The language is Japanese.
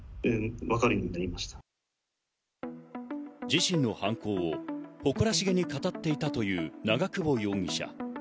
自身の犯行を誇らしげに語っていたという長久保容疑者。